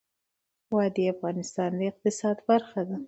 وادي د افغانستان د اقتصاد برخه ده.